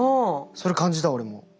それ感じた俺も。